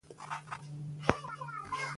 دښتې د فرهنګي فستیوالونو برخه ده.